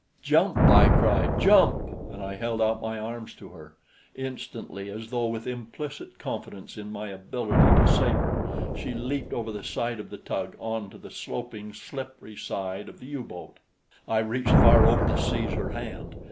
"Jump!" I cried. "Jump!" And I held out my arms to her. Instantly as though with implicit confidence in my ability to save her, she leaped over the side of the tug onto the sloping, slippery side of the U boat. I reached far over to seize her hand.